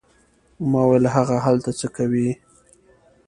ما وویل: هغه هلته څه کوي؟